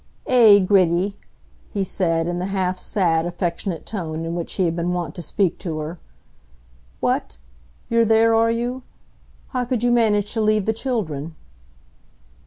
"Eh, Gritty!" he said, in the half sad, affectionate tone in which he had been wont to speak to her. "What! you're there, are you? How could you manage to leave the children?"